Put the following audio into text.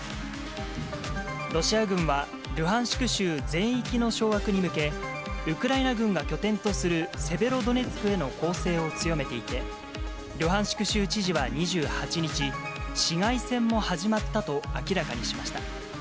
ロシア軍は、ルハンシク州全域の掌握に向け、ウクライナ軍が拠点とするセベロドネツクへの攻勢を強めていて、ルハンシク州知事は２８日、市街戦も始まったと明らかにしました。